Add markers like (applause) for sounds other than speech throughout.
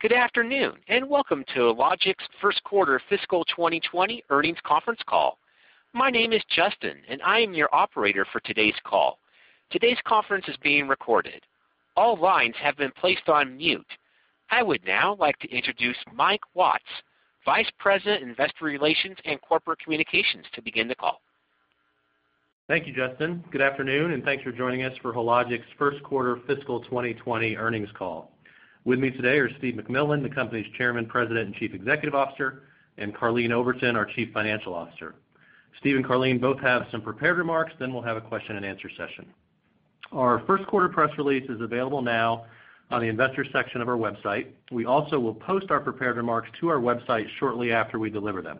Good afternoon, welcome to Hologic's first quarter fiscal 2020 earnings conference call. My name is Justin, and I am your operator for today's call. Today's conference is being recorded. All lines have been placed on mute. I would now like to introduce Mike Watts, Vice President, Investor Relations and Corporate Communications, to begin the call. Thank you, Justin. Good afternoon. Thanks for joining us for Hologic's first quarter fiscal 2020 earnings call. With me today are Steve MacMillan, the company's Chairman, President, and Chief Executive Officer, and Karleen Oberton, our Chief Financial Officer. Steve and Karleen both have some prepared remarks, then we'll have a question and answer session. Our first quarter press release is available now on the investors section of our website. We also will post our prepared remarks to our website shortly after we deliver them.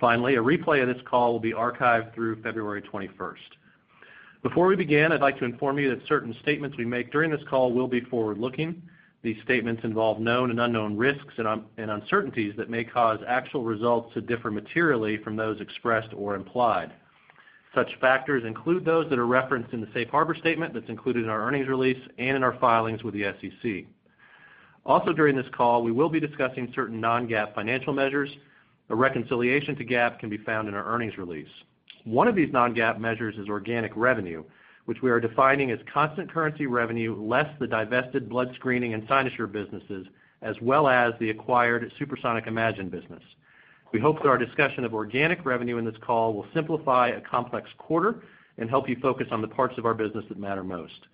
Finally, a replay of this call will be archived through February 21st. Before we begin, I'd like to inform you that certain statements we make during this call will be forward-looking. These statements involve known and unknown risks and uncertainties that may cause actual results to differ materially from those expressed or implied. Such factors include those that are referenced in the safe harbor statement that's included in our earnings release and in our filings with the SEC. During this call, we will be discussing certain non-GAAP financial measures. A reconciliation to GAAP can be found in our earnings release. One of these non-GAAP measures is organic revenue, which we are defining as constant currency revenue less the divested blood screening and Cynosure businesses as well as the acquired SuperSonic Imagine business. We hope that our discussion of organic revenue in this call will simplify a complex quarter and help you focus on the parts of our business that matter most.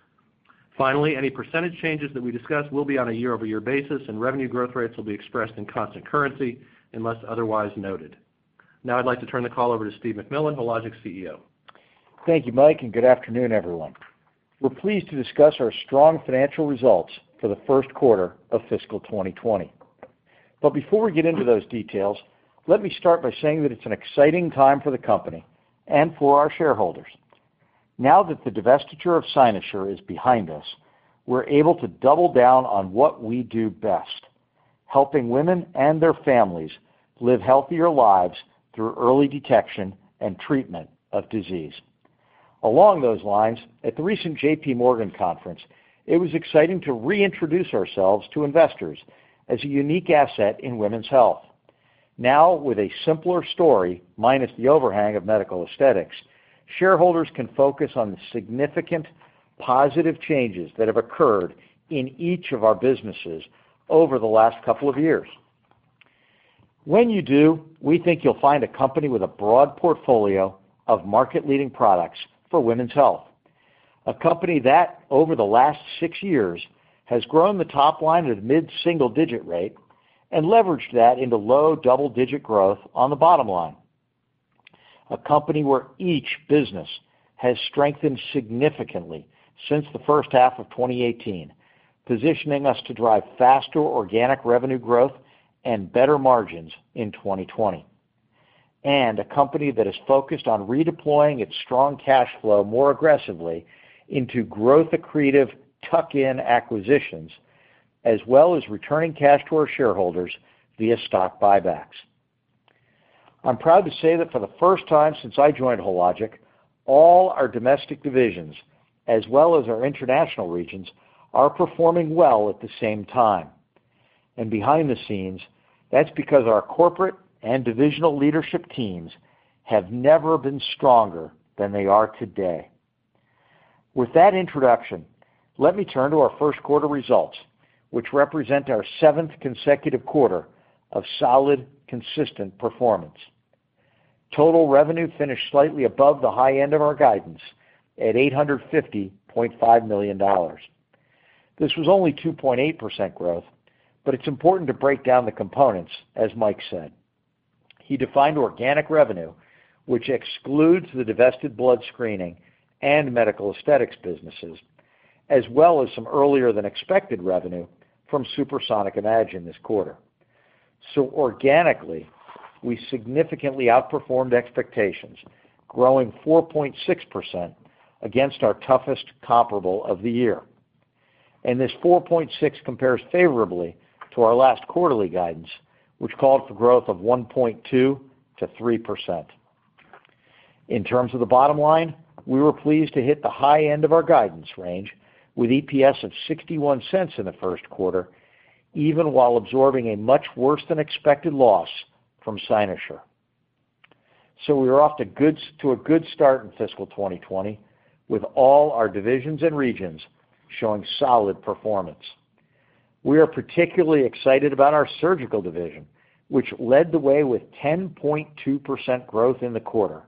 Any percentage changes that we discuss will be on a year-over-year basis, and revenue growth rates will be expressed in constant currency unless otherwise noted. I'd like to turn the call over to Steve MacMillan, Hologic's CEO. Thank you, Mike. Good afternoon, everyone. We're pleased to discuss our strong financial results for the first quarter of fiscal 2020. Before we get into those details, let me start by saying that it's an exciting time for the company and for our shareholders. Now that the divestiture of Cynosure is behind us, we're able to double down on what we do best, helping women and their families live healthier lives through early detection and treatment of disease. Along those lines, at the recent JPMorgan conference, it was exciting to reintroduce ourselves to investors as a unique asset in women's health. Now, with a simpler story, minus the overhang of medical aesthetics, shareholders can focus on the significant positive changes that have occurred in each of our businesses over the last couple of years. When you do, we think you'll find a company with a broad portfolio of market-leading products for women's health, a company that over the last six years has grown the top line at a mid-single-digit rate and leveraged that into low double-digit growth on the bottom line. A company where each business has strengthened significantly since the first half of 2018, positioning us to drive faster organic revenue growth and better margins in 2020. A company that is focused on redeploying its strong cash flow more aggressively into growth accretive tuck-in acquisitions as well as returning cash to our shareholders via stock buybacks. I'm proud to say that for the first time since I joined Hologic, all our domestic divisions, as well as our international regions, are performing well at the same time. Behind the scenes, that's because our corporate and divisional leadership teams have never been stronger than they are today. With that introduction, let me turn to our first quarter results, which represent our seventh consecutive quarter of solid, consistent performance. Total revenue finished slightly above the high end of our guidance at $850.5 million. This was only 2.8% growth, but it's important to break down the components, as Mike said. He defined organic revenue, which excludes the divested blood screening and medical aesthetics businesses, as well as some earlier than expected revenue from SuperSonic Imagine this quarter. Organically, we significantly outperformed expectations, growing 4.6% against our toughest comparable of the year. This 4.6% compares favorably to our last quarterly guidance, which called for growth of 1.2%-3%. In terms of the bottom line, we were pleased to hit the high end of our guidance range with EPS of $0.61 in the first quarter, even while absorbing a much worse than expected loss from Cynosure. We are off to a good start in fiscal 2020 with all our divisions and regions showing solid performance. We are particularly excited about our surgical division, which led the way with 10.2% growth in the quarter,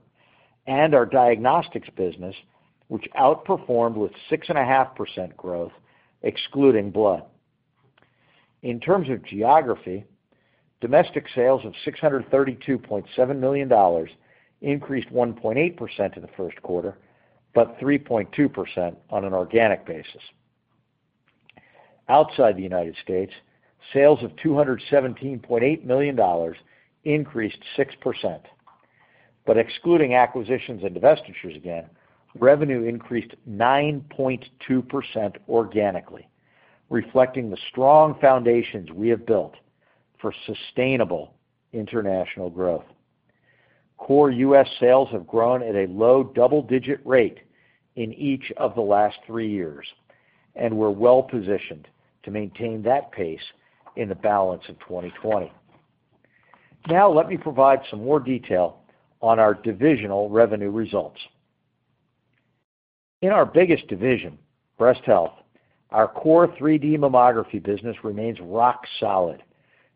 and our diagnostics business, which outperformed with 6.5% growth excluding blood. In terms of geography, domestic sales of $632.7 million increased 1.8% in the first quarter, but 3.2% on an organic basis. Outside the United States, sales of $217.8 million increased 6%. Excluding acquisitions and divestitures again, revenue increased 9.2% organically, reflecting the strong foundations we have built for sustainable international growth. Core U.S. sales have grown at a low double-digit rate in each of the last three years, and we're well-positioned to maintain that pace in the balance of 2020. Let me provide some more detail on our divisional revenue results. In our biggest division, breast health, our core 3D mammography business remains rock solid,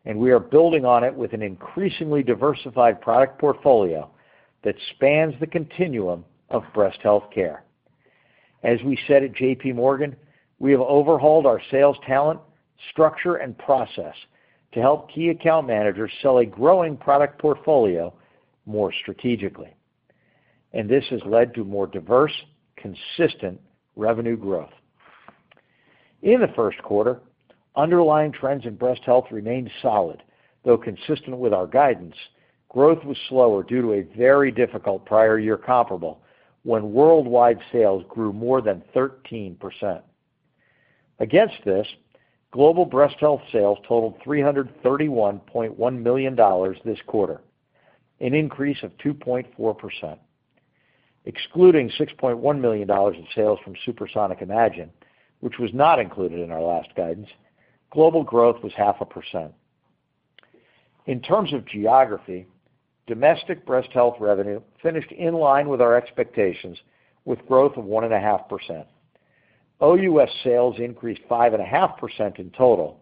and we are building on it with an increasingly diversified product portfolio that spans the continuum of breast health care. As we said at JPMorgan, we have overhauled our sales talent, structure, and process to help key account managers sell a growing product portfolio more strategically. This has led to more diverse, consistent revenue growth. In the first quarter, underlying trends in breast health remained solid, though consistent with our guidance, growth was slower due to a very difficult prior-year comparable when worldwide sales grew more than 13%. Against this, global breast health sales totaled $331.1 million this quarter, an increase of 2.4%. Excluding $6.1 million in sales from SuperSonic Imagine, which was not included in our last guidance, global growth was 0.5%. In terms of geography, domestic breast health revenue finished in line with our expectations, with growth of 1.5%. OUS sales increased 5.5% in total,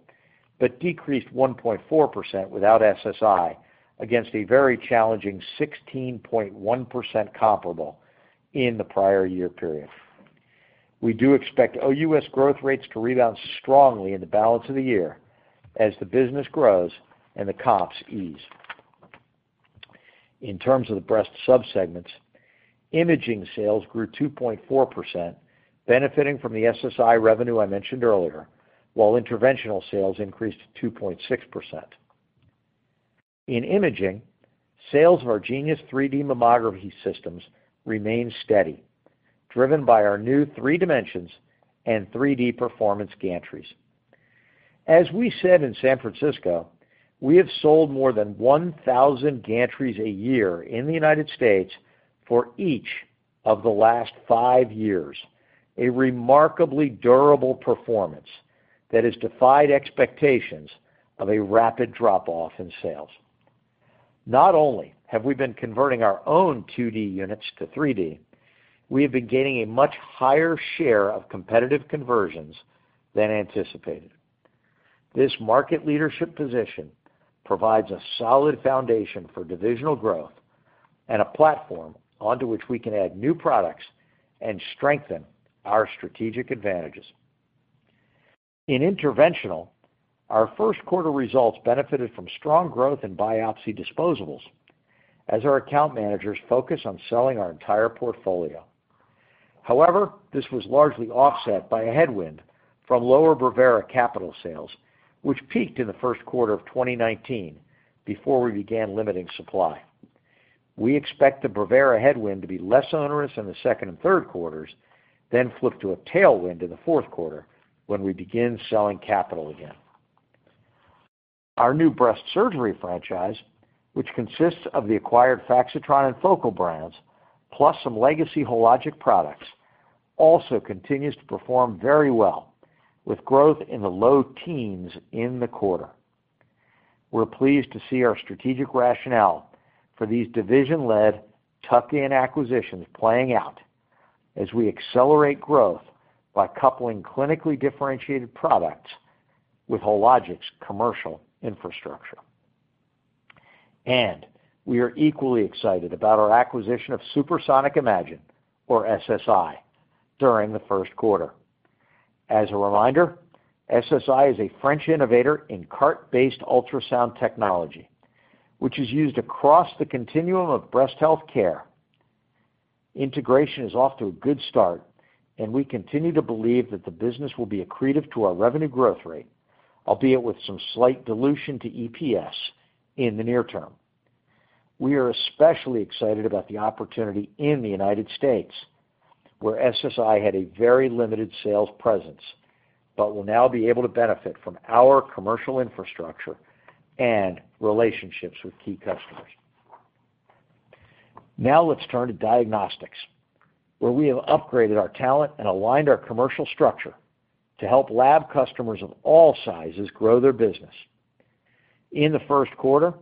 decreased 1.4% without SSI against a very challenging 16.1% comparable in the prior-year period. We do expect OUS growth rates to rebound strongly in the balance of the year as the business grows and the comps ease. In terms of the breast subsegments, imaging sales grew 2.4%, benefiting from the SuperSonic Imagine revenue I mentioned earlier, while interventional sales increased 2.6%. In imaging, sales of our Genius 3D Mammography systems remained steady, driven by our new 3Dimensions and 3D Performance gantries. As we said in San Francisco, we have sold more than 1,000 gantries a year in the United States for each of the last five years, a remarkably durable performance that has defied expectations of a rapid drop-off in sales. Not only have we been converting our own 2D units to 3D, we have been gaining a much higher share of competitive conversions than anticipated. This market leadership position provides a solid foundation for divisional growth and a platform onto which we can add new products and strengthen our strategic advantages. In interventional, our first quarter results benefited from strong growth in biopsy disposables as our account managers focus on selling our entire portfolio. This was largely offset by a headwind from lower Brevera capital sales, which peaked in the first quarter of 2019 before we began limiting supply. We expect the Brevera headwind to be less onerous in the second and third quarters than flip to a tailwind in the fourth quarter when we begin selling capital again. Our new breast surgery franchise, which consists of the acquired Faxitron and Focal brands, plus some legacy Hologic products, also continues to perform very well with growth in the low teens in the quarter. We're pleased to see our strategic rationale for these division-led tuck-in acquisitions playing out as we accelerate growth by coupling clinically differentiated products with Hologic's commercial infrastructure. We are equally excited about our acquisition of SuperSonic Imagine, or SSI, during the first quarter. As a reminder, SSI is a French innovator in cart-based ultrasound technology, which is used across the continuum of breast health care. Integration is off to a good start, and we continue to believe that the business will be accretive to our revenue growth rate, albeit with some slight dilution to EPS in the near term. We are especially excited about the opportunity in the U.S., where SSI had a very limited sales presence, but will now be able to benefit from our commercial infrastructure and relationships with key customers. Let's turn to diagnostics, where we have upgraded our talent and aligned our commercial structure to help lab customers of all sizes grow their business. In the first quarter,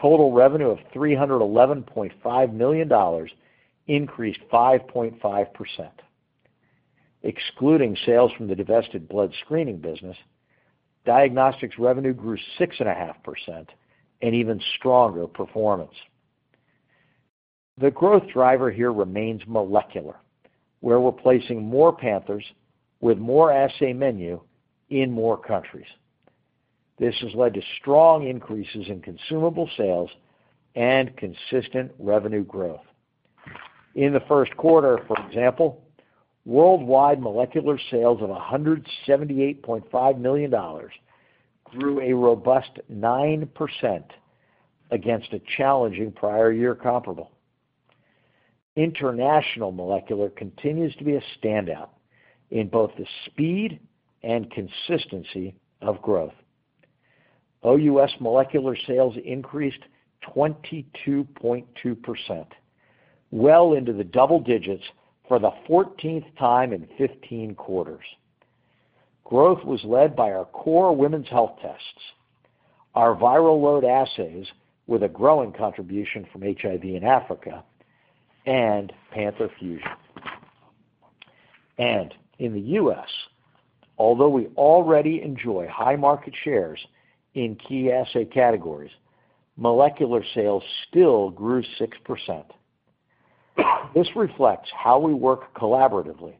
total revenue of $311.5 million increased 5.5%. Excluding sales from the divested blood screening business, diagnostics revenue grew 6.5%, an even stronger performance. The growth driver here remains molecular, where we're placing more Panthers with more assay menu in more countries. This has led to strong increases in consumable sales and consistent revenue growth. In the first quarter, for example, worldwide molecular sales of $178.5 million grew a robust 9% against a challenging prior year comparable. International molecular continues to be a standout in both the speed and consistency of growth. OUS molecular sales increased 22.2%, well into the double digits for the 14th time in 15 quarters. Growth was led by our core women's health tests, our viral load assays, with a growing contribution from human immunodeficiency virus in Africa, and Panther Fusion. In the U.S., although we already enjoy high market shares in key assay categories, molecular sales still grew 6%. This reflects how we work collaboratively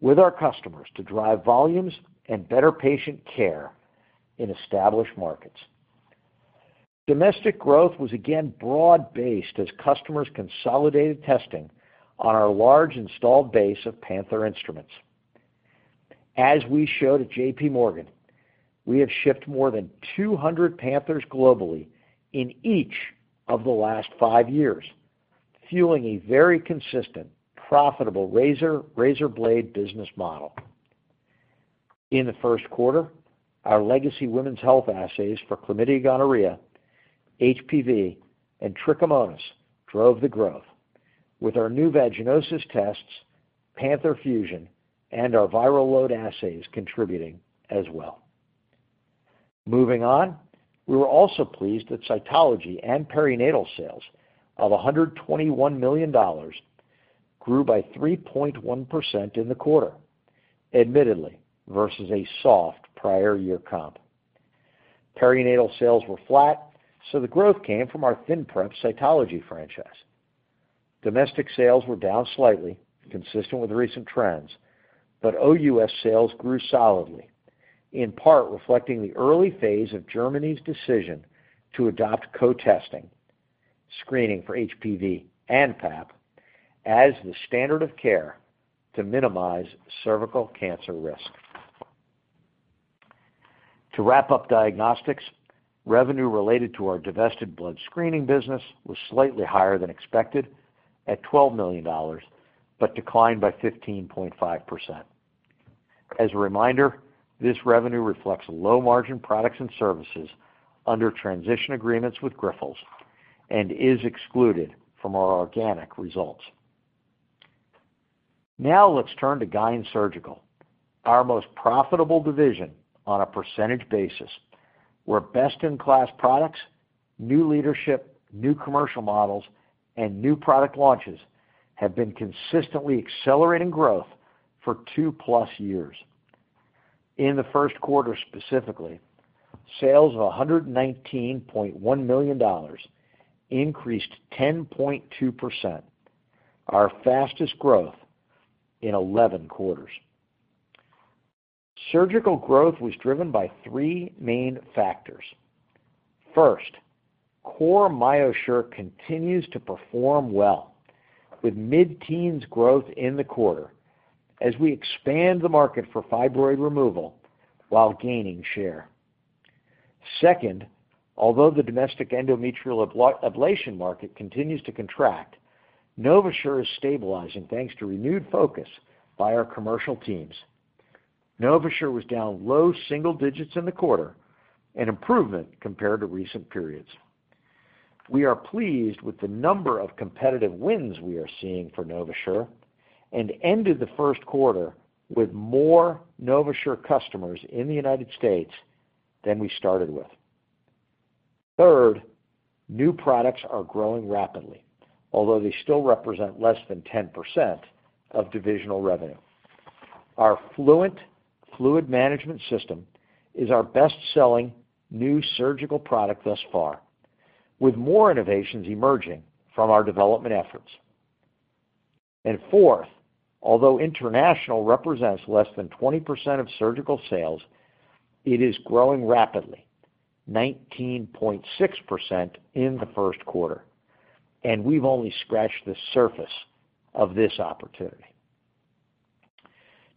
with our customers to drive volumes and better patient care in established markets. Domestic growth was again broad-based as customers consolidated testing on our large installed base of Panther instruments. As we showed at JPMorgan, we have shipped more than 200 Panthers globally in each of the last five years, fueling a very consistent, profitable razor blade business model. In the first quarter, our legacy women's health assays for chlamydia, gonorrhea, human papillomavirus, and trichomonas drove the growth with our new vaginosis tests, Panther Fusion, and our viral load assays contributing as well. Moving on, we were also pleased that cytology and perinatal sales of $121 million grew by 3.1% in the quarter, admittedly, versus a soft prior year comp. Perinatal sales were flat, the growth came from our ThinPrep cytology franchise. Domestic sales were down slightly, consistent with recent trends, but OUS sales grew solidly, in part reflecting the early phase of Germany's decision to adopt co-testing, screening for HPV and Papanicolaou, as the standard of care to minimize cervical cancer risk. To wrap up diagnostics, revenue related to our divested blood screening business was slightly higher than expected at $12 million, but declined by 15.5%. As a reminder, this revenue reflects low-margin products and services under transition agreements with Grifols and is excluded from our organic results. Now let's turn to GYN Surgical, our most profitable division on a percentage basis, where best-in-class products, new leadership, new commercial models, and new product launches have been consistently accelerating growth for two-plus years. In the first quarter specifically, sales of $119.1 million increased 10.2%, our fastest growth in 11 quarters. Surgical growth was driven by three main factors. First, core MyoSure continues to perform well, with mid-teens growth in the quarter as we expand the market for fibroid removal while gaining share. Second, although the domestic endometrial ablation market continues to contract, NovaSure is stabilizing thanks to renewed focus by our commercial teams. NovaSure was down low single digits in the quarter, an improvement compared to recent periods. We are pleased with the number of competitive wins we are seeing for NovaSure and ended the first quarter with more NovaSure customers in the United States than we started with. Third, new products are growing rapidly, although they still represent less than 10% of divisional revenue. Our Fluent Fluid Management system is our best-selling new surgical product thus far, with more innovations emerging from our development efforts. Fourth, although international represents less than 20% of surgical sales, it is growing rapidly, 19.6% in the first quarter, and we've only scratched the surface of this opportunity.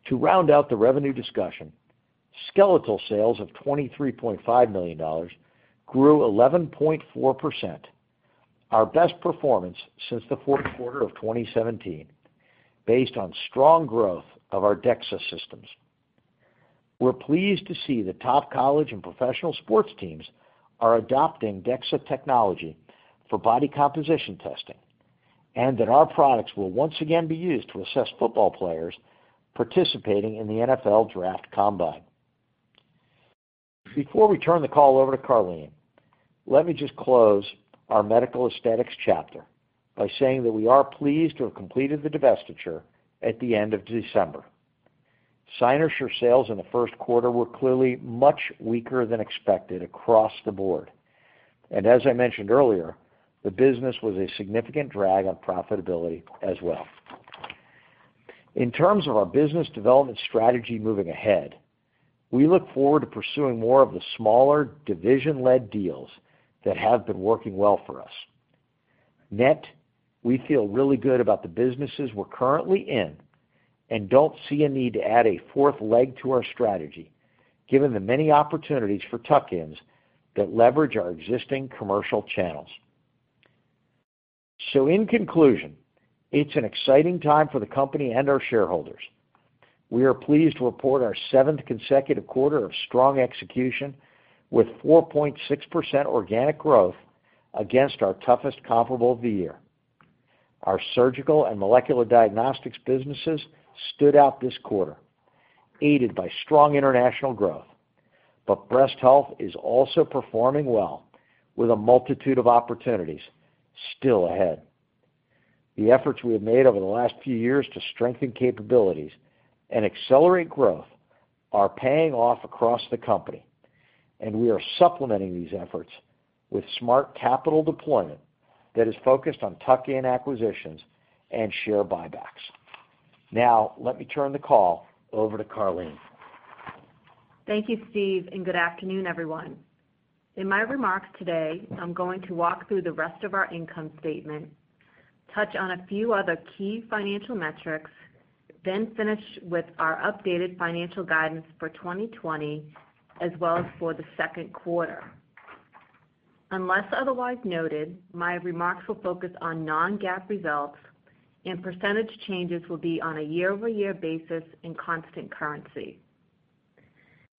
To round out the revenue discussion, skeletal sales of $23.5 million grew 11.4%, our best performance since the fourth quarter of 2017, based on strong growth of our Dual-Energy X-ray Absorptiometry systems. We're pleased to see that top college and professional sports teams are adopting DEXA technology for body composition testing and that our products will once again be used to assess football players participating in the NFL Draft Combine. Before we turn the call over to Karleen, let me just close our Medical Aesthetics chapter by saying that we are pleased to have completed the divestiture at the end of December. Cynosure sales in the first quarter were clearly much weaker than expected across the board. As I mentioned earlier, the business was a significant drag on profitability as well. In terms of our business development strategy moving ahead, we look forward to pursuing more of the smaller division-led deals that have been working well for us. Net, we feel really good about the businesses we're currently in and don't see a need to add a fourth leg to our strategy, given the many opportunities for tuck-ins that leverage our existing commercial channels. In conclusion, it's an exciting time for the company and our shareholders. We are pleased to report our seventh consecutive quarter of strong execution, with 4.6% organic growth against our toughest comparable of the year. Our surgical and molecular diagnostics businesses stood out this quarter, aided by strong international growth. Breast health is also performing well, with a multitude of opportunities still ahead. The efforts we have made over the last few years to strengthen capabilities and accelerate growth are paying off across the company, and we are supplementing these efforts with smart capital deployment that is focused on tuck-in acquisitions and share buybacks. Now, let me turn the call over to Karleen Oberton. Thank you, Steve, and good afternoon, everyone. In my remarks today, I'm going to walk through the rest of our income statement, touch on a few other key financial metrics, then finish with our updated financial guidance for 2020 as well as for the second quarter. Unless otherwise noted, my remarks will focus on non-GAAP results, and percentage changes will be on a year-over-year basis in constant currency.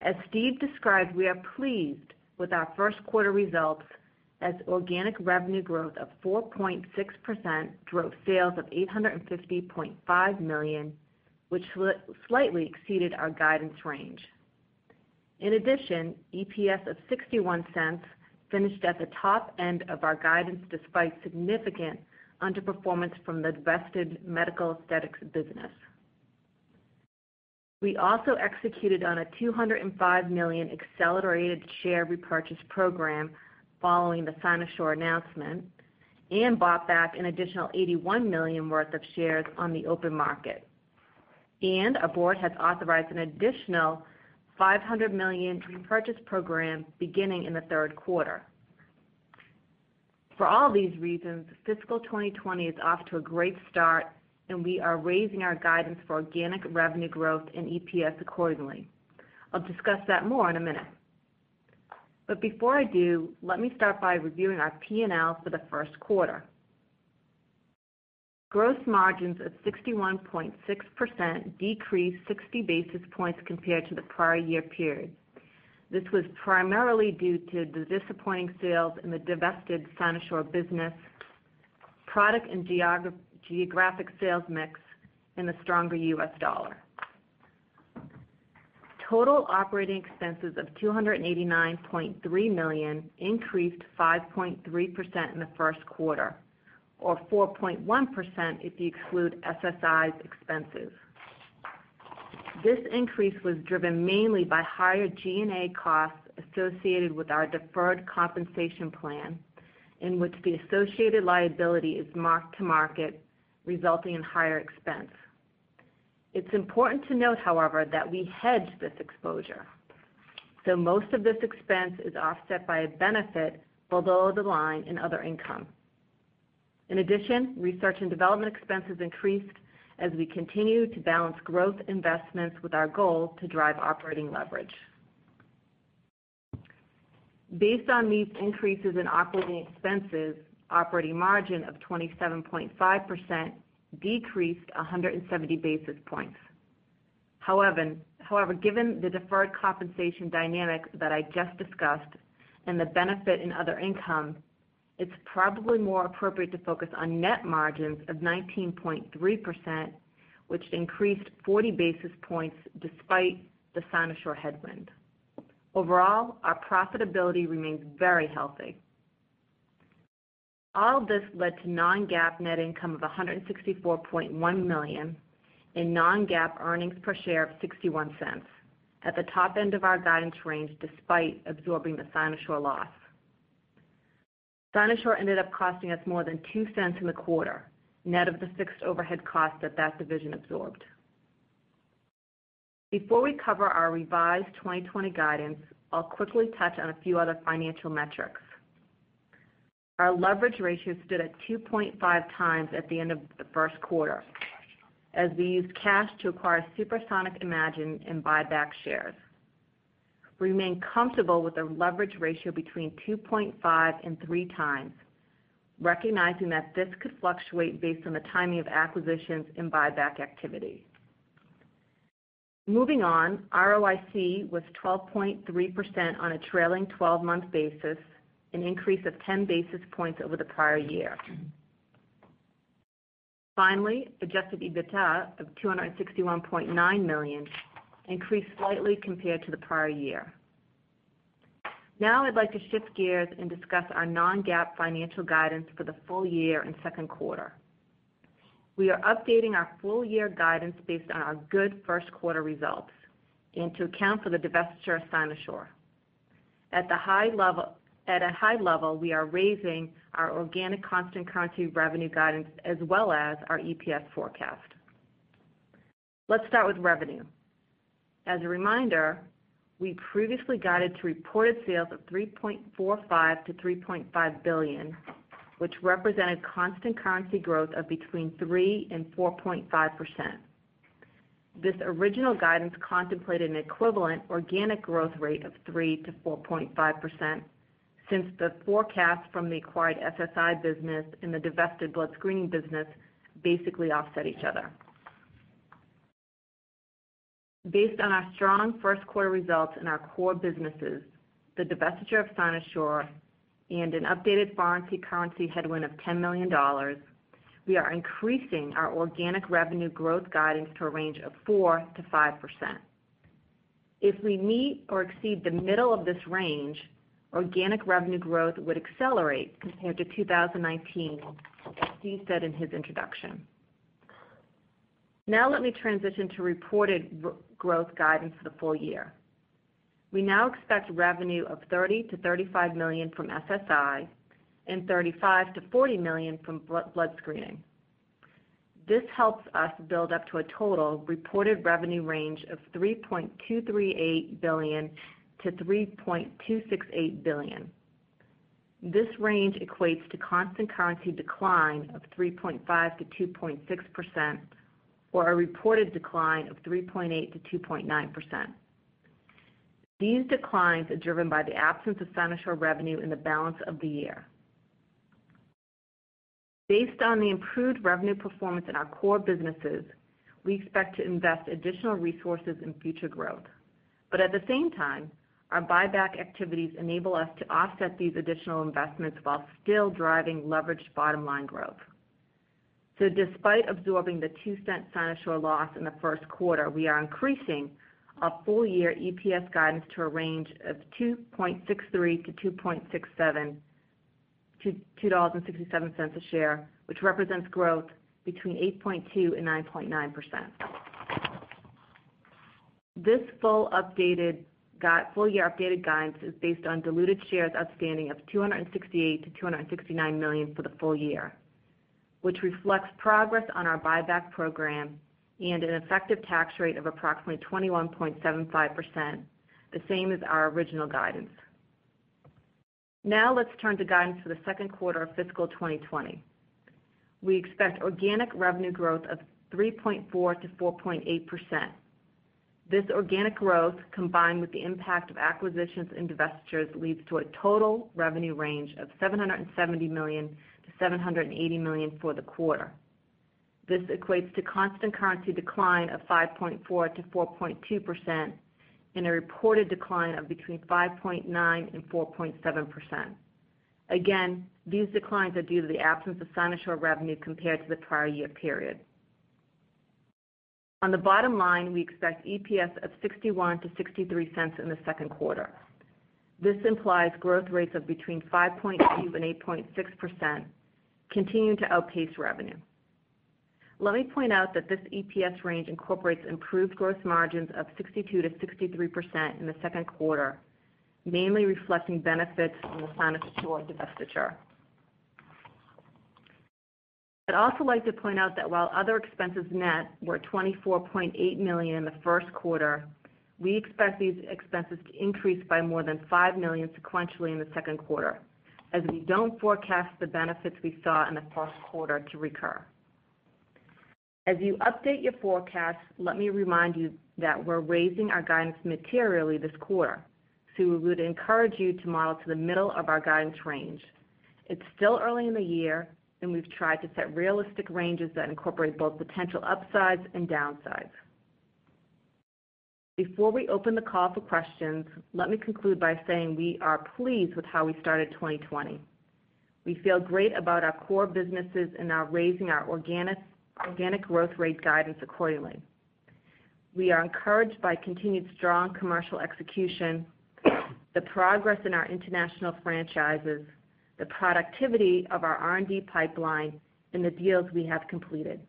As Steve described, we are pleased with our first quarter results as organic revenue growth of 4.6% drove sales of $850.5 million, which slightly exceeded our guidance range. In addition, EPS of $0.61 finished at the top end of our guidance despite significant underperformance from the divested medical aesthetics business. We also executed on a $205 million accelerated share repurchase program following the Cynosure announcement, and bought back an additional $81 million worth of shares on the open market. Our board has authorized an additional $500 million repurchase program beginning in the third quarter. For all these reasons, fiscal 2020 is off to a great start, and we are raising our guidance for organic revenue growth and EPS accordingly. I'll discuss that more in a minute. Before I do, let me start by reviewing our P&L for the first quarter. Gross margins of 61.6% decreased 60 basis points compared to the prior year period. This was primarily due to the disappointing sales in the divested Cynosure business, product and geographic sales mix, and the stronger U.S. dollar. Total operating expenses of $289.3 million increased 5.3% in the first quarter, or 4.1% if you exclude SSI's expenses. This increase was driven mainly by higher G&A costs associated with our deferred compensation plan, in which the associated liability is marked to market, resulting in higher expense. It's important to note, however, that we hedge this exposure, so most of this expense is offset by a benefit below the line in other income. In addition, research and development expenses increased as we continue to balance growth investments with our goal to drive operating leverage. Based on these increases in operating expenses, operating margin of 27.5% decreased 170 basis points. Given the deferred compensation dynamic that I just discussed and the benefit in other income, it's probably more appropriate to focus on net margins of 19.3%, which increased 40 basis points despite the Cynosure headwind. Overall, our profitability remains very healthy. All this led to non-GAAP net income of $164.1 million in non-GAAP earnings per share of $0.61 at the top end of our guidance range despite absorbing the Cynosure loss. Cynosure ended up costing us more than $0.02 in the quarter, net of the fixed overhead cost that that division absorbed. Before we cover our revised 2020 guidance, I'll quickly touch on a few other financial metrics. Our leverage ratio stood at 2.5x at the end of the first quarter as we used cash to acquire SuperSonic Imagine and buy back shares. We remain comfortable with a leverage ratio between 2.5x and 3x, recognizing that this could fluctuate based on the timing of acquisitions and buyback activity. Moving on, ROIC was 12.3% on a trailing 12-month basis, an increase of 10 basis points over the prior year. Finally, adjusted EBITDA of $261.9 million increased slightly compared to the prior year. Now I'd like to shift gears and discuss our non-GAAP financial guidance for the full year and second quarter. We are updating our full year guidance based on our good first quarter results and to account for the divestiture of Cynosure. At a high level, we are raising our organic constant currency revenue guidance as well as our EPS forecast. Let's start with revenue. As a reminder, we previously guided to reported sales of $3.45 billion-$3.5 billion, which represented constant currency growth of between 3% and 4.5%. This original guidance contemplated an equivalent organic growth rate of 3%-4.5%, since the forecast from the acquired SSI business and the divested blood screening business basically offset each other. Based on our strong first quarter results in our core businesses, the divestiture of Cynosure, and an updated foreign currency headwind of $10 million, we are increasing our organic revenue growth guidance to a range of 4%-5%. If we meet or exceed the middle of this range, organic revenue growth would accelerate compared to 2019, as Steve said in his introduction. Now let me transition to reported growth guidance for the full year. We now expect revenue of $30 million-$35 million from SSI and $35 million-$40 million from blood screening. This helps us build up to a total reported revenue range of $3.238 billion-$3.268 billion. This range equates to constant currency decline of 3.5%-2.6%, or a reported decline of 3.8%-2.9%. These declines are driven by the absence of Cynosure revenue in the balance of the year. Based on the improved revenue performance in our core businesses, we expect to invest additional resources in future growth. At the same time, our buyback activities enable us to offset these additional investments while still driving leveraged bottom-line growth. Despite absorbing the $0.02 Cynosure loss in the first quarter, we are increasing our full-year EPS guidance to a range of $2.63-$2.67 a share, which represents growth between 8.2%-9.9%. This full-year updated guidance is based on diluted shares outstanding of $268 million-$269 million for the full year, which reflects progress on our buyback program and an effective tax rate of approximately 21.75%, the same as our original guidance. Let's turn to guidance for the second quarter of fiscal 2020. We expect organic revenue growth of 3.4%-4.8%. This organic growth, combined with the impact of acquisitions and divestitures, leads to a total revenue range of $770 million-$780 million for the quarter. This equates to constant currency decline of 5.4%-4.2% and a reported decline of between 5.9%-4.7%. Again, these declines are due to the absence of Cynosure revenue compared to the prior year period. On the bottom line, we expect EPS of $0.61-$0.63 in the second quarter. This implies growth rates of between 5.2% and 8.6%, continuing to outpace revenue. Let me point out that this EPS range incorporates improved gross margins of 62%-63% in the second quarter, mainly reflecting benefits on the Cynosure divestiture. I'd also like to point out that while other expenses net were $24.8 million in the first quarter, we expect these expenses to increase by more than $5 million sequentially in the second quarter, as we don't forecast the benefits we saw in the first quarter to recur. As you update your forecast, let me remind you that we're raising our guidance materially this quarter. We would encourage you to model to the middle of our guidance range. It's still early in the year, and we've tried to set realistic ranges that incorporate both potential upsides and downsides. Before we open the call for questions, let me conclude by saying we are pleased with how we started 2020. We feel great about our core businesses and are raising our organic growth rate guidance accordingly. We are encouraged by continued strong commercial execution, the progress in our international franchises, the productivity of our R&D pipeline, and the deals we have completed.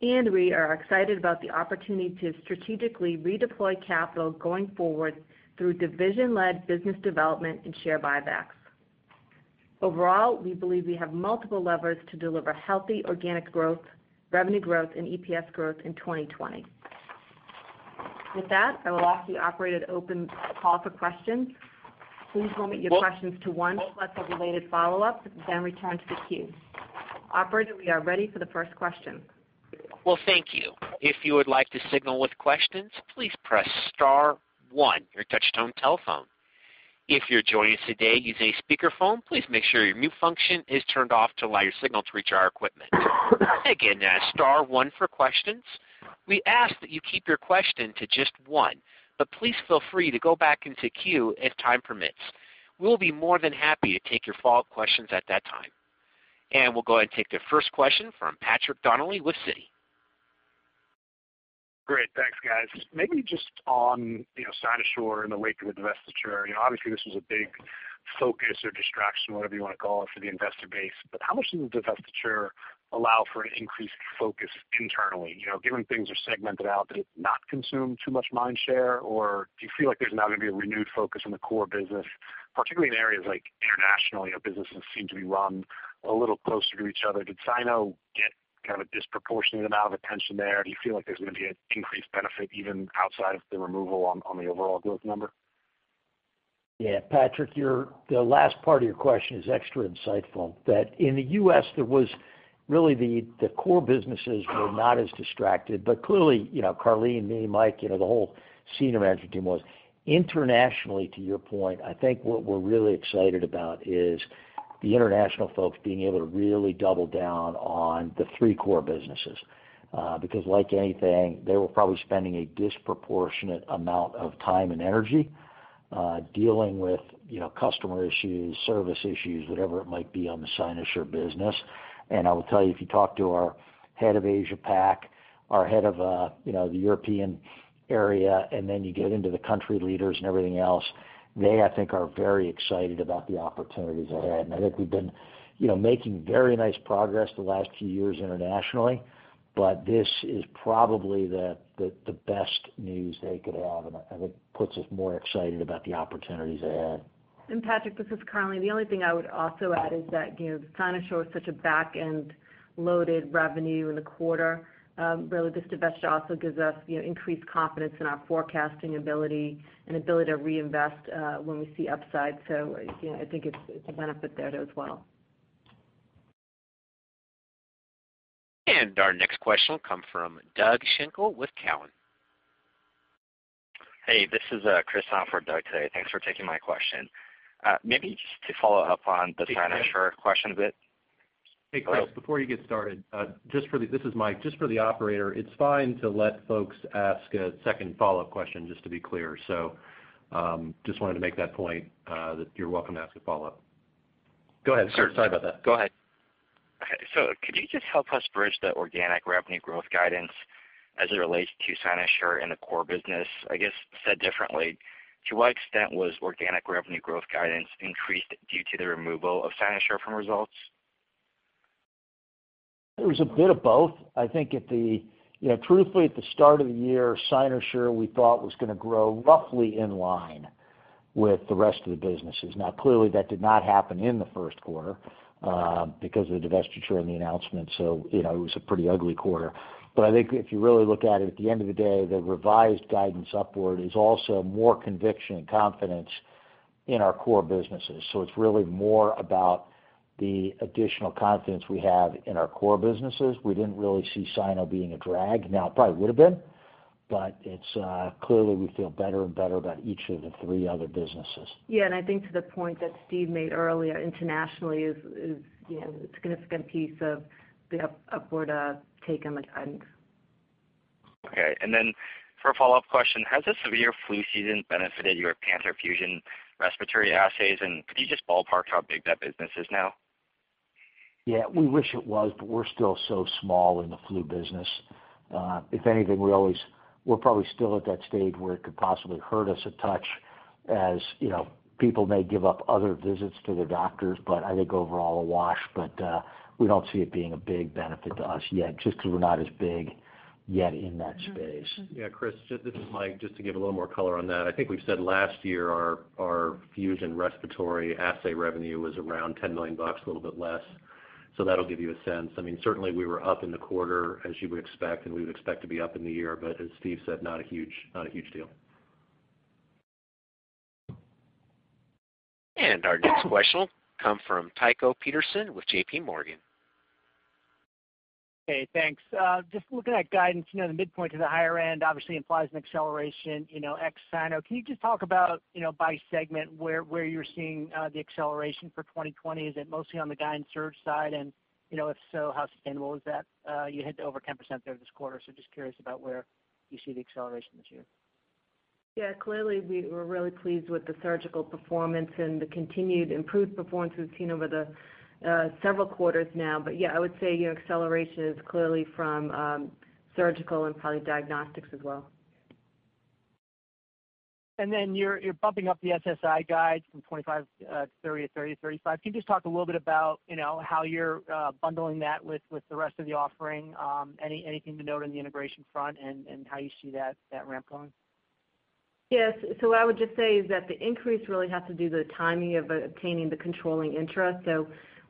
We are excited about the opportunity to strategically redeploy capital going forward through division-led business development and share buybacks. Overall, we believe we have multiple levers to deliver healthy organic growth, revenue growth, and EPS growth in 2020. With that, I will ask the operator to open the call for questions. Please limit your questions to one, plus a related follow-up, then return to the queue. Operator, we are ready for the first question. Well, thank you. If you would like to signal with questions, please press star one on your touch-tone telephone. If you're joining us today using a speakerphone, please make sure your mute function is turned off to allow your signal to reach our equipment. Again, star one for questions. We ask that you keep your question to just one, but please feel free to go back into queue if time permits. We'll be more than happy to take your follow-up questions at that time. We'll go ahead and take the first question from Patrick Donnelly with Citigroup. Great. Thanks, guys. Maybe just on Cynosure in the wake of the divestiture. Obviously, this was a big focus or distraction, whatever you want to call it, for the investor base. How much does the divestiture allow for an increased focus internally? Given things are segmented out, does it not consume too much mind share, or do you feel like there's now going to be a renewed focus on the core business? Particularly in areas like international, businesses seem to be run a little closer to each other. Did Cynosure get a disproportionate amount of attention there? Do you feel like there's going to be an increased benefit even outside of the removal on the overall growth number? Yeah, Patrick, the last part of your question is extra insightful, that in the U.S., really the core businesses were not as distracted. Clearly, Karleen, me, Mike, the whole senior management team was. Internationally, to your point, I think what we're really excited about is the international folks being able to really double down on the three core businesses. Because like anything, they were probably spending a disproportionate amount of time and energy dealing with customer issues, service issues, whatever it might be on the Cynosure business. I will tell you, if you talk to our head of Asia Pacific, our head of the European area, and then you get into the country leaders and everything else, they, I think, are very excited about the opportunities ahead. I think we've been making very nice progress the last few years internationally. This is probably the best news they could have, and I think puts us more excited about the opportunities ahead. Patrick, this is Karleen. The only thing I would also add is that Cynosure is such a back-end loaded revenue in the quarter. This divestiture also gives us increased confidence in our forecasting ability and ability to reinvest when we see upside. I think it's a benefit there as well. Our next question will come from Doug Schenkel with Cowen and Company. Hey, this is Chris Lin on for Doug today. Thanks for taking my question. Maybe just to follow up on the Cynosure question a bit. Hey, Chris, before you get started, this is Mike. Just for the operator, it's fine to let folks ask a second follow-up question, just to be clear. Just wanted to make that point, that you're welcome to ask a follow-up. Go ahead, sorry about that. Go ahead. Okay. Could you just help us bridge the organic revenue growth guidance as it relates to Cynosure and the core business? I guess, said differently, to what extent was organic revenue growth guidance increased due to the removal of Cynosure from results? It was a bit of both. I think, truthfully, at the start of the year, Cynosure, we thought was going to grow roughly in line with the rest of the businesses. Clearly, that did not happen in the first quarter, because of the divestiture and the announcement, so it was a pretty ugly quarter. I think if you really look at it, at the end of the day, the revised guidance upward is also more conviction and confidence in our core businesses. It's really more about the additional confidence we have in our core businesses. We didn't really see Cynosure being a drag. It probably would've been, but clearly we feel better and better about each of the three other businesses. Yeah, I think to the point that Steve made earlier, internationally is a significant piece of the upward take and the trend. Okay. For a follow-up question, has the severe flu season benefited your Panther Fusion respiratory assays, and could you just ballpark how big that business is now? Yeah, we wish it was, but we're still so small in the flu business. If anything, we're probably still at that stage where it could possibly hurt us a touch, as people may give up other visits to their doctors, but I think overall a wash, but we don't see it being a big benefit to us yet, just because we're not as big yet in that space. Yeah, Chris, this is Mike. Just to give a little more color on that. I think we've said last year our Fusion respiratory assay revenue was around $10 million, a little bit less. That'll give you a sense. Certainly we were up in the quarter as you would expect, and we would expect to be up in the year, but as Steve said, not a huge deal. Our next question will come from Tycho Peterson with JPMorgan. Okay, thanks. Just looking at guidance, the midpoint to the higher end obviously implies an acceleration ex Cynosure. Can you just talk about, by segment, where you're seeing the acceleration for 2020? Is it mostly on the GYN Surgical side, and if so, how sustainable is that? You hit over 10% there this quarter, so just curious about where you see the acceleration this year. Clearly we were really pleased with the surgical performance and the continued improved performance we've seen over the several quarters now. I would say, acceleration is clearly from surgical and probably diagnostics as well. You're bumping up the SSI guide from 25-30, or 30-35. Can you just talk a little bit about how you're bundling that with the rest of the offering? Anything to note on the integration front and how you see that ramp going? Yes. What I would just say is that the increase really has to do with the timing of obtaining the controlling interest.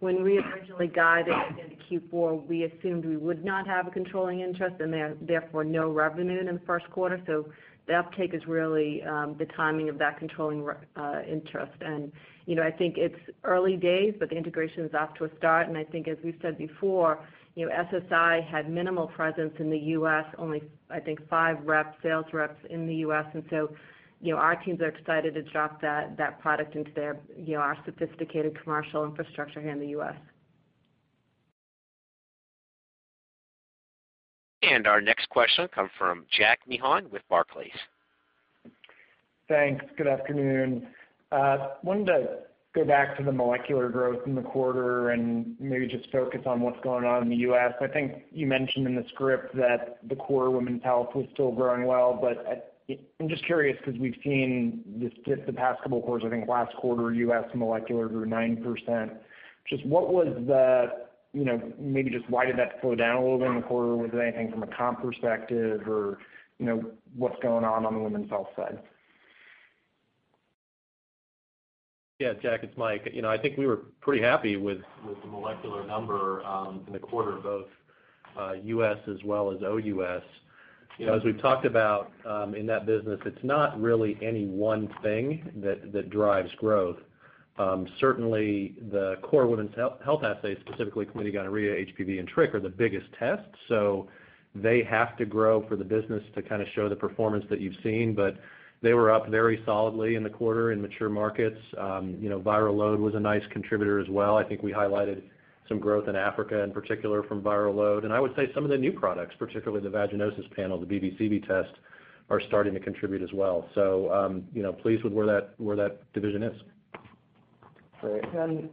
When we originally guided into Q4, we assumed we would not have a controlling interest, and therefore no revenue in the first quarter. The uptick is really the timing of that controlling interest. I think it's early days, but the integration is off to a start. I think as we've said before, SSI had minimal presence in the U.S., only I think five sales reps in the U.S. Our teams are excited to drop that product into our sophisticated commercial infrastructure here in the U.S. Our next question will come from Jack Meehan with Barclays. Thanks. Good afternoon. Wanted to go back to the molecular growth in the quarter and maybe just focus on what's going on in the U.S. I think you mentioned in the script that the core women's health was still growing well, but I'm just curious because we've seen just the past couple quarters, I think last quarter U.S. molecular grew 9%. Maybe just why did that slow down a little bit in the quarter? Was it anything from a comp perspective or what's going on the women's health side? Yeah, Jack, it's Mike. I think we were pretty happy with the molecular number in the quarter, both U.S. as well as OUS. As we've talked about, in that business, it's not really any one thing that drives growth. Certainly, the core women's health assays, specifically chlamydia, gonorrhea, HPV, and Trichomonas are the biggest tests. They have to grow for the business to show the performance that you've seen. They were up very solidly in the quarter in mature markets. Viral load was a nice contributor as well. I think we highlighted some growth in Africa, in particular from viral load. I would say some of the new products, particularly the vaginosis panel, the Bacterial Vaginosis and Candida Vaginitis test, are starting to contribute as well. I'm pleased with where that division is. Great.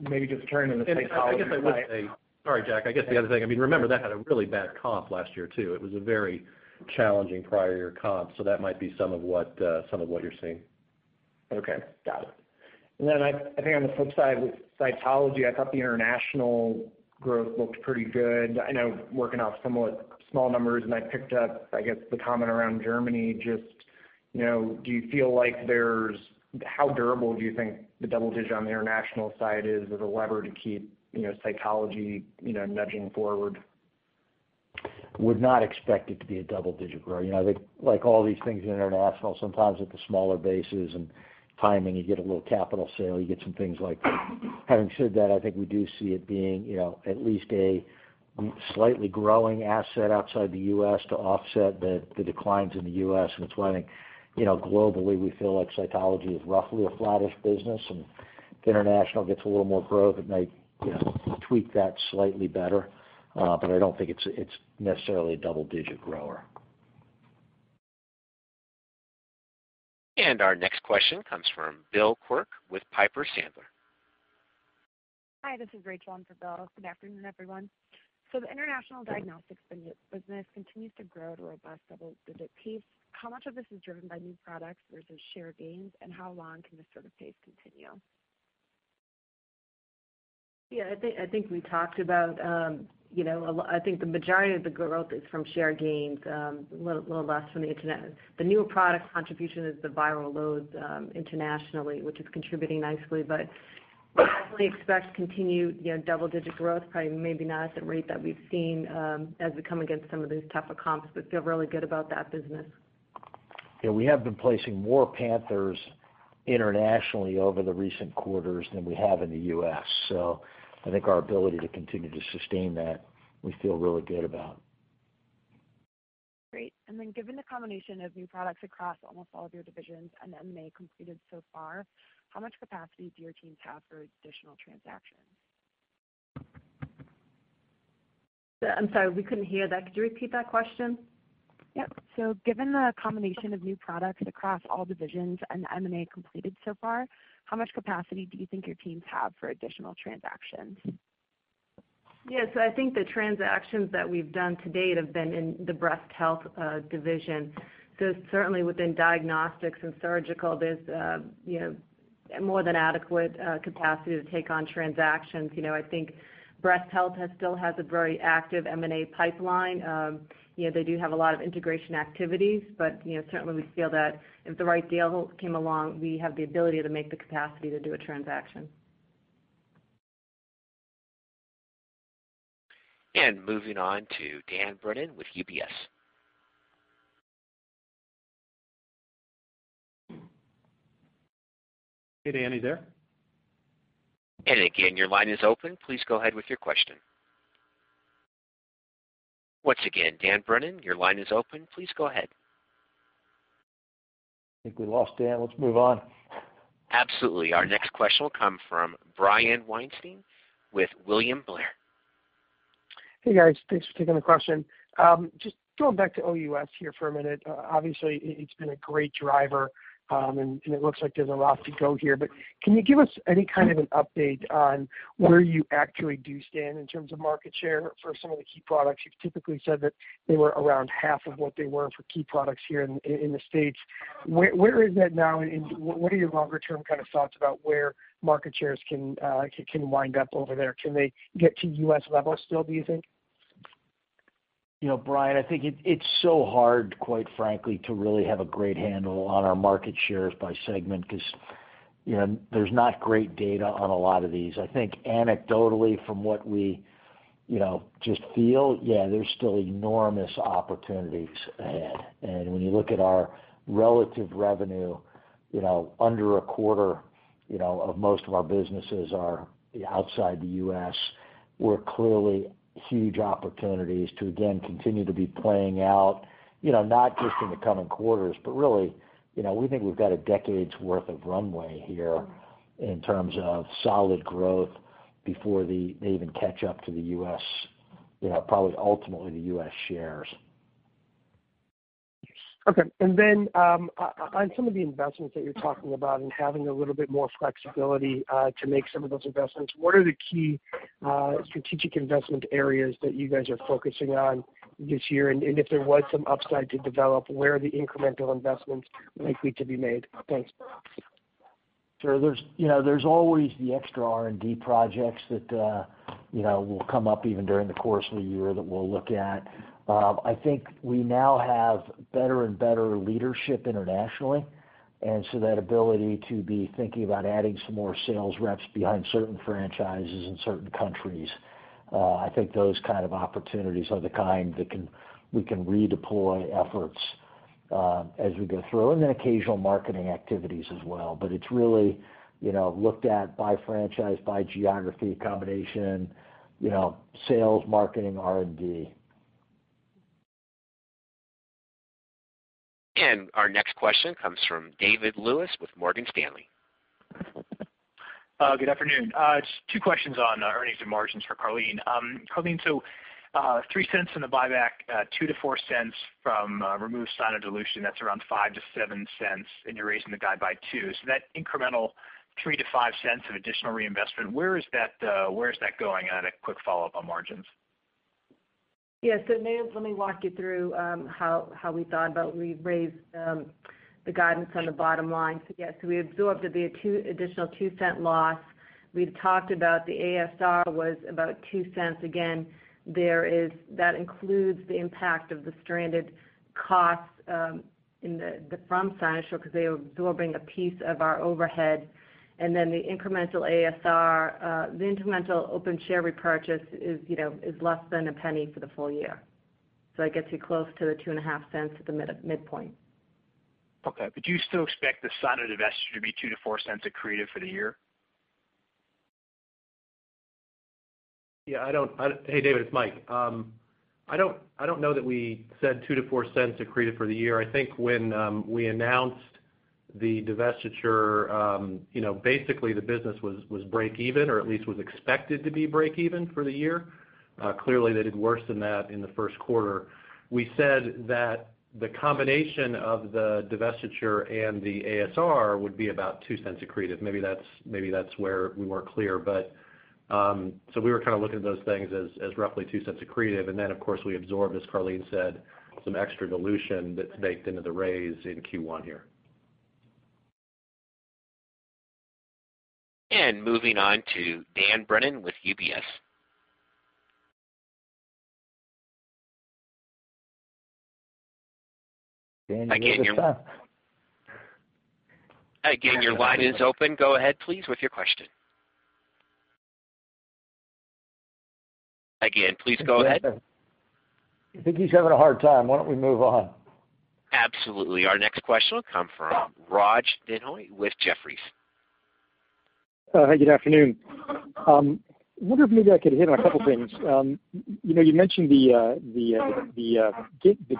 maybe just turning to cytology. Sorry, Jack. I guess the other thing, remember that had a really bad comp last year, too. It was a very challenging prior year comp. That might be some of what you're seeing. Okay. Got it. Then I think on the flip side with cytology, I thought the international growth looked pretty good. I know working off somewhat small numbers, and I picked up, I guess, the comment around Germany, just how durable do you think the double digit on the international side is as a lever to keep cytology nudging forward? Would not expect it to be a double-digit grower. I think, like all these things international, sometimes with the smaller bases and timing, you get a little capital sale, you get some things like that. Having said that, I think we do see it being at least a slightly growing asset outside the U.S. to offset the declines in the U.S. It's why I think, globally, we feel like cytology is roughly a flattish business, and if international gets a little more growth, it might tweak that slightly better. I don't think it's necessarily a double-digit grower. Our next question comes from Bill Quirk with Piper Sandler. Hi, this is Rachel Vatnsdal on for Bill. Good afternoon, everyone. The international diagnostics business continues to grow at a robust double-digit pace. How much of this is driven by new products versus share gains, and how long can this sort of pace continue? Yeah, I think the majority of the growth is from share gains, a little less from inorganic. The new product contribution is the viral load internationally, which is contributing nicely. But we definitely expect continued double-digit growth, probably maybe not at the rate that we've seen as we come against some of these tougher comps, but feel really good about that business. Yeah, we have been placing more Panthers internationally over the recent quarters than we have in the U.S. I think our ability to continue to sustain that, we feel really good about. Great. Given the combination of new products across almost all of your divisions and the M&A completed so far, how much capacity do your teams have for additional transactions? I'm sorry, we couldn't hear that. Could you repeat that question? Yep. Given the combination of new products across all divisions and the M&A completed so far, how much capacity do you think your teams have for additional transactions? I think the transactions that we've done to date have been in the Breast Health Division. Certainly within Diagnostics and Surgical, there's more than adequate capacity to take on transactions. I think Breast Health still has a very active M&A pipeline. They do have a lot of integration activities, but certainly we feel that if the right deal came along, we have the ability to make the capacity to do a transaction. Moving on to Dan Brennan with UBS. Hey, Dan. Are you there? Again, your line is open. Please go ahead with your question. Once again, Dan Brennan, your line is open. Please go ahead. I think we lost Dan. Let's move on. Absolutely. Our next question will come from Brian Weinstein with William Blair. Hey, guys. Thanks for taking the question. Just going back to OUS here for a minute. Obviously, it's been a great driver, and it looks like there's a lot to go here, but can you give us any kind of an update on where you actually do stand in terms of market share for some of the key products? You've typically said that they were around half of what they were for key products here in the U.S. Where is that now? What are your longer-term kind of thoughts about where market shares can wind up over there? Can they get to U.S. levels still, do you think? Brian, I think it's so hard, quite frankly, to really have a great handle on our market shares by segment because there's not great data on a lot of these. I think anecdotally from what we just feel, yeah, there's still enormous opportunities ahead. When you look at our relative revenue, under a quarter of most of our businesses are outside the U.S., where clearly huge opportunities to again, continue to be playing out, not just in the coming quarters, but really, we think we've got a decade's worth of runway here in terms of solid growth before they even catch up to the U.S., probably ultimately the U.S. shares. Okay. On some of the investments that you're talking about and having a little bit more flexibility to make some of those investments, what are the key strategic investment areas that you guys are focusing on this year? If there was some upside to develop, where are the incremental investments likely to be made? Thanks. Sure. There's always the extra R&D projects that will come up even during the course of the year that we'll look at. I think we now have better and better leadership internationally, and so that ability to be thinking about adding some more sales reps behind certain franchises in certain countries, I think those kind of opportunities are the kind that we can redeploy efforts as we go through, and then occasional marketing activities as well. It's really looked at by franchise, by geography, combination, sales, marketing, R&D. Our next question comes from David Lewis with Morgan Stanley. Good afternoon. Just two questions on earnings and margins for Karleen. Karleen, $0.03 in the buyback, $0.02-$0.04 from removed Cynosure dilution. That's around $0.05-$0.07, you're raising the guide by $0.02. That incremental $0.03-$0.05 of additional reinvestment, where is that going? A quick follow-up on margins. David, let me walk you through how we thought about we raised the guidance on the bottom line. We absorbed the additional $0.02 loss. We've talked about the ASR was about $0.02. That includes the impact of the stranded costs from Cynosure because they were absorbing a piece of our overhead. The incremental ASR, the incremental open share repurchase is less than $0.01 for the full year. That gets you close to the $2.50 at the midpoint. Okay. Do you still expect the Cynosure divestiture to be $0.02-$0.04 accretive for the year? Hey, David, it's Mike. I don't know that we said $0.02-$0.04 accretive for the year. I think when we announced the divestiture, basically the business was break even or at least was expected to be break even for the year. Clearly they did worse than that in the first quarter. We said that the combination of the divestiture and the ASR would be about $0.02 accretive. Maybe that's where we weren't clear, but so we were kind of looking at those things as roughly $0.02 accretive, and then of course we absorbed, as Karleen said, some extra dilution that's baked into the raise in Q1 here. Moving on to Dan Brennan with UBS. Dan. (audio distortion) Again, your line is open. Go ahead please with your question. Again, please go ahead. I think he's having a hard time. Why don't we move on? Absolutely. Our next question will come from Raj Denhoy with Jefferies. Hi, good afternoon. I wonder if maybe I could hit on a couple things. You mentioned the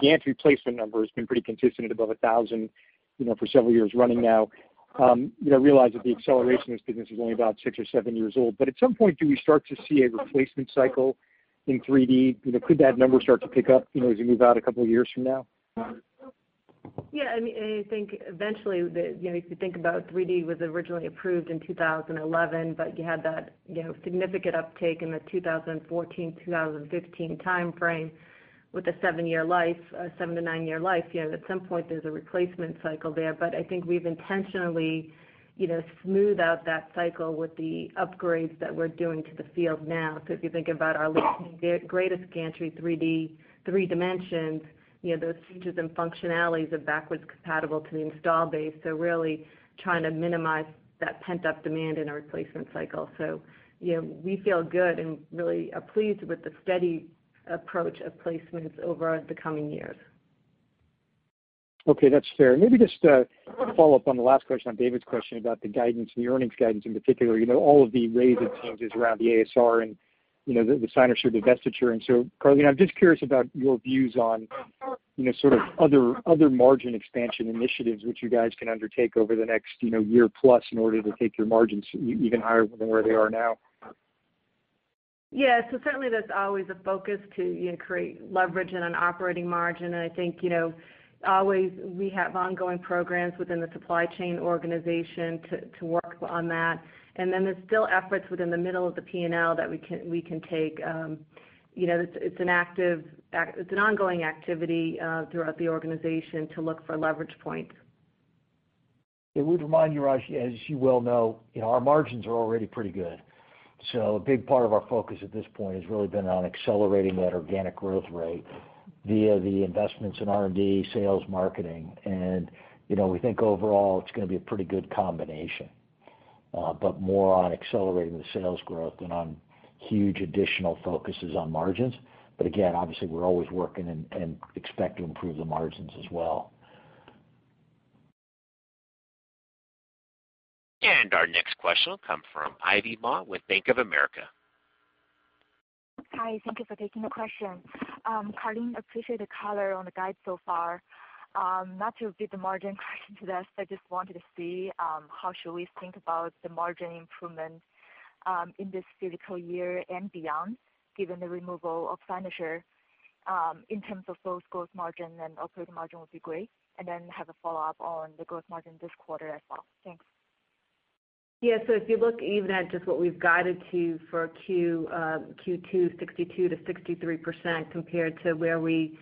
gantry placement number has been pretty consistent at above 1,000 for several years running now. I realize that the acceleration of this business is only about six or seven years old, at some point, do we start to see a replacement cycle in 3D? Could that number start to pick up as we move out a couple of years from now? Yeah, I think eventually, if you think about 3D was originally approved in 2011, but you had that significant uptake in the 2014, 2015 timeframe with a seven to nine year life. At some point there's a replacement cycle there. I think we've intentionally smoothed out that cycle with the upgrades that we're doing to the field now. If you think about our latest gantry, 3D, 3Dimensions, those features and functionalities are backwards compatible to the install base. Really trying to minimize that pent-up demand in our replacement cycle. We feel good and really are pleased with the steady approach of placements over the coming years. Okay, that's fair. Maybe just to follow up on the last question, on David's question about the guidance and the earnings guidance in particular, all of the raises changes around the ASR and the Cynosure divestiture. Karleen, I'm just curious about your views on sort of other margin expansion initiatives which you guys can undertake over the next year plus in order to take your margins even higher than where they are now. Yeah. Certainly that's always a focus to create leverage in an operating margin. I think, always we have ongoing programs within the supply chain organization to work on that. There's still efforts within the middle of the P&L that we can take. It's an ongoing activity throughout the organization to look for leverage points. I would remind you, Raj, as you well know, our margins are already pretty good. A big part of our focus at this point has really been on accelerating that organic growth rate via the investments in R&D, sales, marketing. We think overall it's going to be a pretty good combination. More on accelerating the sales growth than on huge additional focuses on margins. Again, obviously, we're always working and expect to improve the margins as well. Our next question will come from Ivy Ma with Bank of America. Hi, thank you for taking the question. Karleen, appreciate the color on the guide so far. Not to beat the margin question to death, I just wanted to see how should we think about the margin improvement in this physical year and beyond, given the removal of Cynosure, in terms of both gross margin and operating margin would be great. Have a follow-up on the gross margin this quarter as well. Thanks. If you look even at just what we've guided to for Q2, 62%-63% compared to where we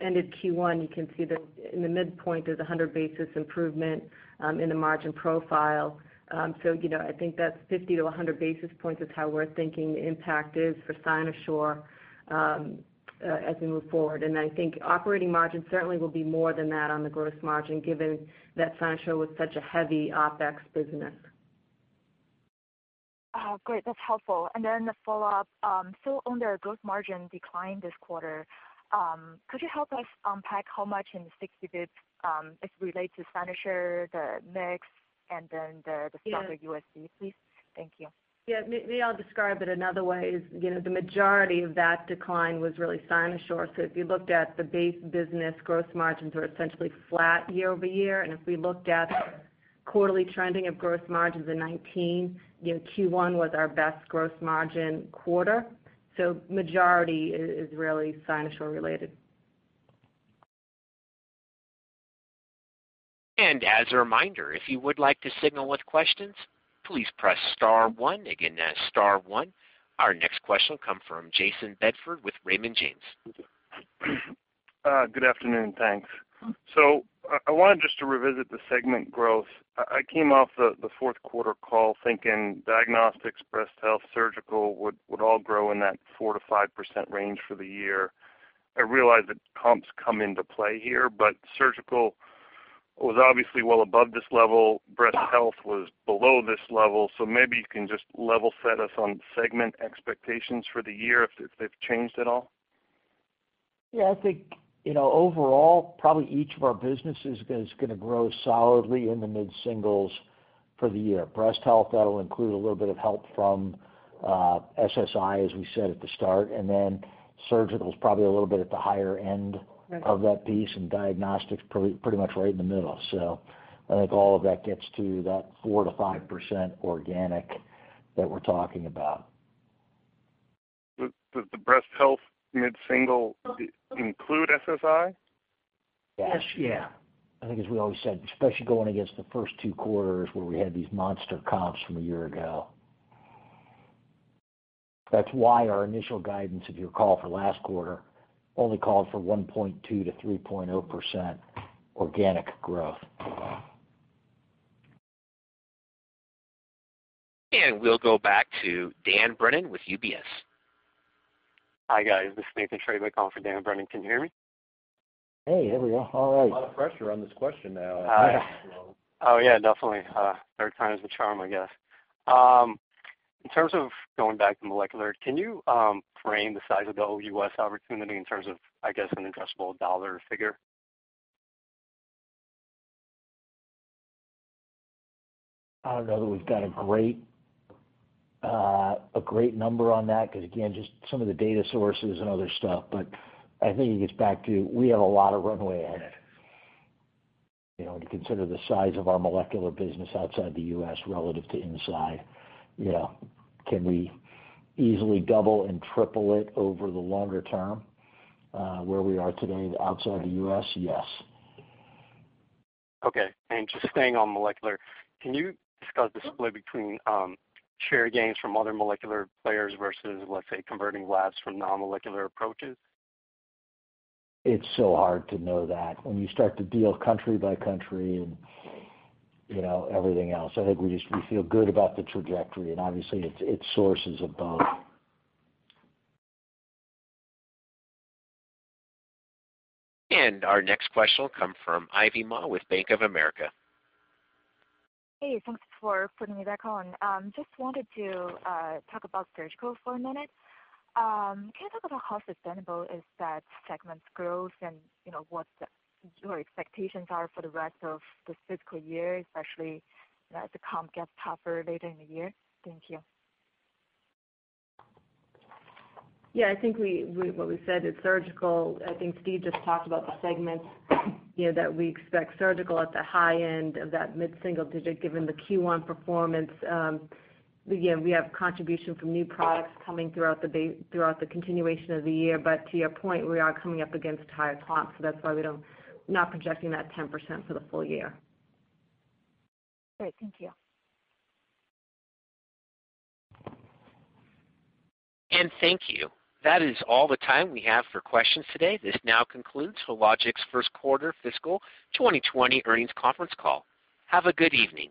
ended Q1, you can see that in the midpoint there's 100 basis points improvement in the margin profile. I think that 50 basis points-100 basis points is how we're thinking the impact is for Cynosure as we move forward. I think operating margin certainly will be more than that on the gross margin given that Cynosure was such a heavy OpEx business. Oh, great. That's helpful. The follow-up, on their gross margin decline this quarter, could you help us unpack how much in the 60 basis points, if relate to Cynosure, the mix, and the stronger USD, please? Thank you. Yeah. Maybe I'll describe it another way. The majority of that decline was really Cynosure. If you looked at the base business, growth margins were essentially flat year-over-year. If we looked at quarterly trending of growth margins in 2019, Q1 was our best growth margin quarter. Majority is really Cynosure related. As a reminder, if you would like to signal with questions, please press star one. Again, star one. Our next question will come from Jayson Bedford with Raymond James. Good afternoon. Thanks. I wanted just to revisit the segment growth. I came off the fourth quarter call thinking Diagnostics, Breast Health, Surgical would all grow in that 4%-5% range for the year. I realize that comps come into play here, Surgical was obviously well above this level. Breast Health was below this level. Maybe you can just level set us on segment expectations for the year if they've changed at all. Yeah, I think, overall, probably each of our businesses is going to grow solidly in the mid-singles for the year. Breast health, that'll include a little bit of help from SSI, as we said at the start, and then surgical's probably a little bit at the higher end of that piece, and diagnostics pretty much right in the middle. I think all of that gets to that 4%-5% organic that we're talking about. Does the breast health mid-single include SSI? Yes. Yes. Yeah. I think as we always said, especially going against the first two quarters where we had these monster comps from a year ago. That's why our initial guidance of your call for last quarter only called for 1.2%-3.0% organic growth. We'll go back to Dan Brennan with UBS. Hi, guys. This is Nathan Treybeck calling for Dan Brennan. Can you hear me? Hey, there we are. All right. A lot of pressure on this question now. Oh, yeah, definitely. Third time's the charm, I guess. In terms of going back to molecular, can you frame the size of the whole U.S. opportunity in terms of, I guess, an addressable dollar figure? I don't know that we've got a great number on that because, again, just some of the data sources and other stuff. I think it gets back to, we have a lot of runway ahead. To consider the size of our molecular business outside the U.S. relative to inside. Can we easily double and triple it over the longer term? Where we are today outside the U.S.? Yes. Okay. Just staying on molecular, can you discuss the split between share gains from other molecular players versus, let's say, converting labs from non-molecular approaches? It's so hard to know that when you start to deal country by country and everything else. Obviously it sources above. Our next question will come from Ivy Ma with Bank of America. Hey, thanks for putting me back on. Just wanted to talk about GYN Surgical for a minute. Can you talk about how sustainable is that segment's growth and what your expectations are for the rest of this fiscal year, especially as the comp gets tougher later in the year? Thank you. Yeah, I think what we said is surgical, I think Steve just talked about the segments, that we expect surgical at the high end of that mid-single digit given the Q1 performance. Again, we have contribution from new products coming throughout the continuation of the year. To your point, we are coming up against higher comps, so that's why we're not projecting that 10% for the full year. Great. Thank you. Thank you. That is all the time we have for questions today. This now concludes Hologic's first quarter fiscal 2020 earnings conference call. Have a good evening.